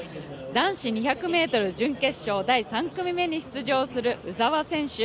男子２００ｍ準決勝第３組目に出場する鵜澤選手。